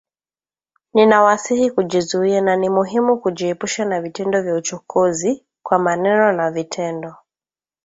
Ninawasihi kujizuia na ni muhimu kujiepusha na vitendo vya uchokozi, kwa maneno na vitendo